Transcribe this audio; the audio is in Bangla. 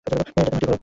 এটাতে মাটি ভরো!